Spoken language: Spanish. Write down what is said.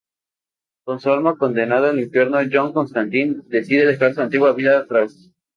Con su alma condenada al infierno, John Constantine decide dejar su antigua vida atrás.